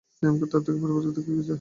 সিয়ামাক আর তার পরিবার থেকে গেছে।